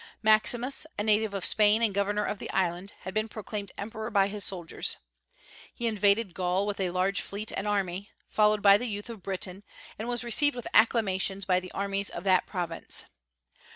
Maximus, a native of Spain and governor of the island, had been proclaimed emperor by his soldiers. He invaded Gaul with a large fleet and army, followed by the youth of Britain, and was received with acclamations by the armies of that province.